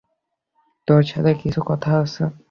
তোর সাথে কিছু কথা আছে।